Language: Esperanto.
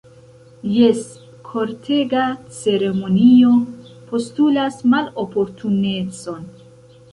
Jes, kortega ceremonio postulas maloportunecon!